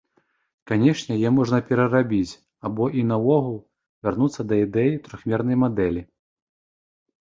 Канешне яе можна перарабіць або і наогул вярнуцца да ідэі трохмернай мадэлі.